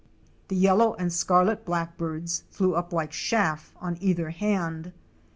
The yellow and scarlet Blackbirds blew up like chaff on either hand.